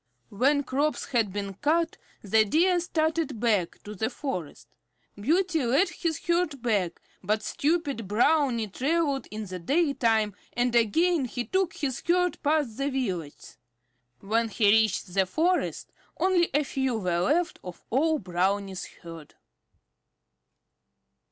When crops had been cut, the Deer started back to the forest. Beauty led all his herd back, but stupid Brownie traveled in the daytime, and again he took his herd past the villages. When he reached the forest only a few were left of all Brownie's herd.